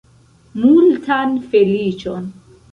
Multan feliĉon!